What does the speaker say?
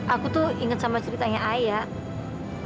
aku tuh inget sama ceritanya ayah